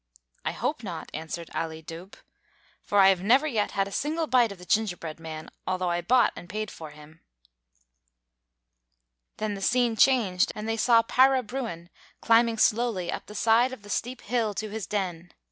"I hope not," answered Ali Dubh; "for I've never yet had a single bite of the gingerbread man, although I bought and paid for him." [Illustration: IN THE "OBSERVATION ROOM"] Then the scene changed, and they saw Para Bruin climbing slowly up the side of the steep hill to his den.